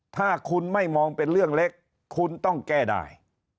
ถ้าคุณไม่มองเป็นเรื่องเล็กคุณต้องแก้ได้